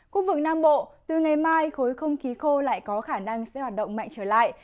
khu vực nam bộ từ ngày mai khối không khí khô lại có khả năng sẽ hoạt động mạnh trở lại